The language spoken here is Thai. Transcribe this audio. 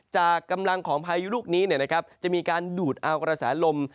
จากกำลังของพายุลูกนี้จะมีการดูดเอากระแสลม